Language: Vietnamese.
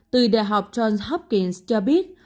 từ đại học johns hopkins cho biết